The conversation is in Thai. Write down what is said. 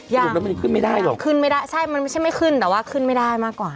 ยังคืนไม่ได้หรอกคืนไม่ได้ใช่มันไม่ใช่ไม่ขึ้นแต่ว่าขึ้นไม่ได้มากกว่า